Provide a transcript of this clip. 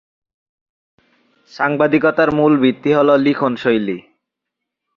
সাংবাদিকতার মূল ভিত্তি হলো লিখন শৈলী